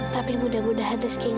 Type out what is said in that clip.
tapi mudah mudahan rizky gak bohong